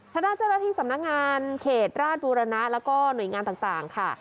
ท่านาจราธิสำนักงานเขตราชบุรณะแล้วก็หน่วยงานต่างต่างค่ะ